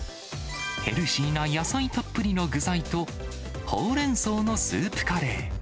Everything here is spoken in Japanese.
ヘルシーな野菜たっぷりの具材と、ほうれんそうのスープカレー。